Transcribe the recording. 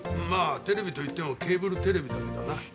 まあテレビといってもケーブルテレビだけどな。